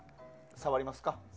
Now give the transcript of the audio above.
触りますか？